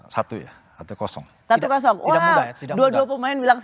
satu wah dua dua pemain bilang satu